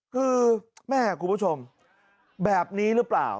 คือแม่คุณผู้ชมแบบนี้หรือเปล่า